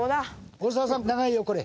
大沢さん、長いよ、これ。